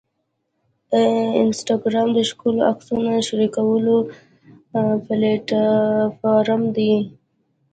انسټاګرام د ښکلو عکسونو شریکولو پلیټفارم دی.